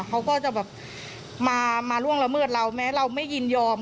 เขาก็จะแบบมาล่วงละเมิดเราแม้เราไม่ยินยอม